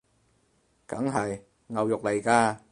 梗係！牛肉來㗎！